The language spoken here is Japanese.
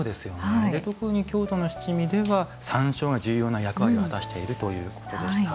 特に京都の七味では山椒が重要な役割を果たしているということでした。